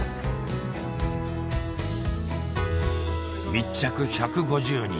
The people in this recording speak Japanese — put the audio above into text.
密着１５０日。